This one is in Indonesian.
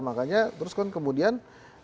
makanya terus kan kemudian